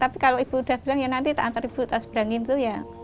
tapi kalau ibu udah bilang ya nanti tak ngantar ibu tak seberangin tuh ya